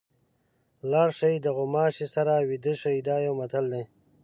لاړ شئ د غوماشي سره ویده شئ دا یو متل دی.